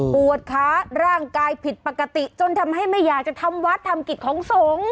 ปวดขาร่างกายผิดปกติจนทำให้ไม่อยากจะทำวัดทำกิจของสงฆ์